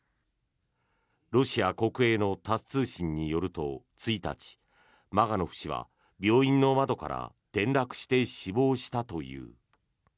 ロシア国営のタス通信によると１日、マガノフ氏は病院の窓から転落して死亡したという。